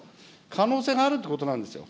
可能性があるということなんですよ。